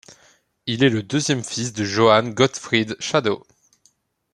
Il est le deuxième fils de Johann Gottfried Schadow.